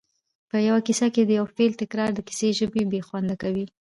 په یوه کیسه کې د یو فعل تکرار د کیسې ژبه بې خونده کوي